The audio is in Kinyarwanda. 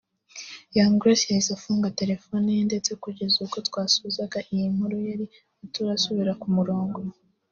Young Grace yahise afunga telefone ye ndetse kugeza ubwo twasozaga iyi nkuru yari atarasubira ku murongo